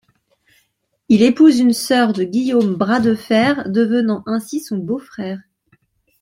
Il épouse une sœur de Guillaume Bras-de-Fer, devenant ainsi son beau-frère.